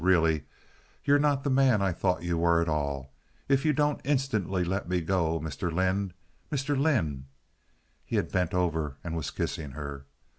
Really, you're not the man I thought you were at all, if you don't instantly let me go. Mr. Lynde! Mr. Lynde!" (He had bent over and was kissing her).